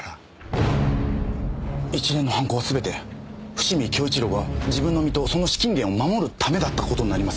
一連の犯行はすべて伏見亨一良が自分の身とその資金源を守るためだった事になります。